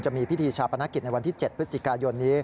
จะมีพิธีชาปนกิจในวันที่๗พฤศจิกายนนี้